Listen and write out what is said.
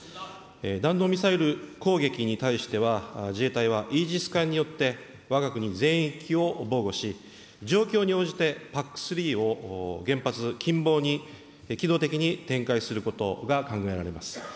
弾道ミサイル攻撃に対しては、自衛隊はイージス艦によって、わが国全域を防護し、状況に応じて、ＰＡＣ３を原発近傍に機動的に展開することが考えられます。